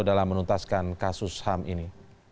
dalam menuntaskan kasus ham ini